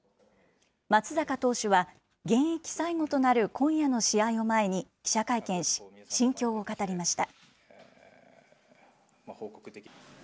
松坂投手は、現役最後となる今夜の試合を前に記者会見し、心境を語りました。